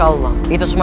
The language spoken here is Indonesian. bagaimana menurut kamu